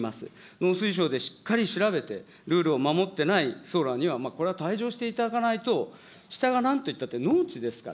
農水省でしっかり調べて、ルールを守ってないソーラーには、これは退場していただかないと、下がなんといったって農地ですか